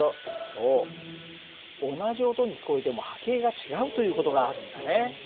そう同じ音に聞こえても波形が違うという事があるんだね。